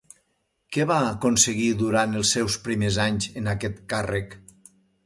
Què va aconseguir durant els seus primers anys en aquest càrrec?